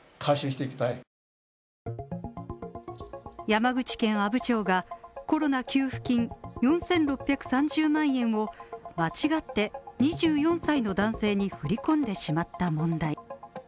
山口県阿武町がコロナ給付金４６３０万円を間違って２４歳の男性に振り込んでしまった問題